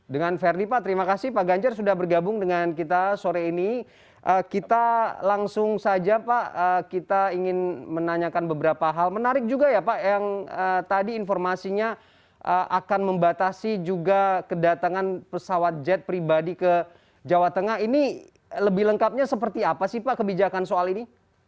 dengan verdi pak terima kasih pak ganjar sudah bergabung dengan kita sore ini kita langsung saja pak kita ingin menanyakan beberapa hal menarik juga ya pak yang tadi informasinya akan membatasi juga kedatangan pesawat jet pribadi ke jawa tengah ini lebih lengkapnya seperti apa sih pak kebijakan soal ini